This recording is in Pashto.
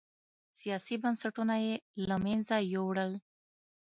سیاسي بنسټونه یې له منځه یووړل.